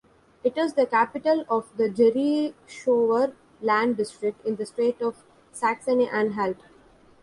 It is the capital of the Jerichower Land district in the state of Saxony-Anhalt.